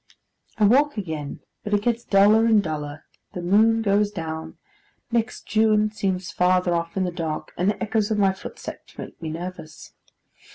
I walk again, but it gets duller and duller: the moon goes down: next June seems farther off in the dark, and the echoes of my footsteps make me nervous.